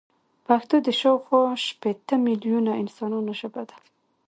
پښتو د شاوخوا شپيته ميليونه انسانانو ژبه ده.